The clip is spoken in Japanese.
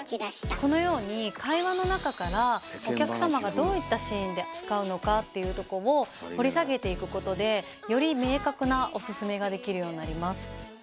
このように会話の中からお客様がどういったシーンで使うのかっていうとこを掘り下げていくことでより明確なオススメができるようになります。